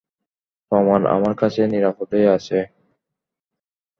প্রমাণ আমার কাছে নিরাপদেই আছে।